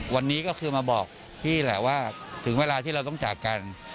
วันนี้ก็คือมาบอกพี่แหละว่าถึงเวลาที่เราต้องจากกัน